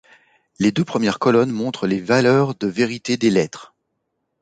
Les deux premières colonnes montrent les valeurs de vérité des lettres.